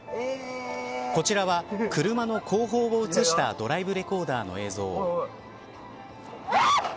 こちらは、車の後方を映したドライブレコーダーの映像。